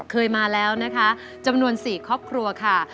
เคยมาแล้วนะคะจำนวน๔ครอบครัวค่ะ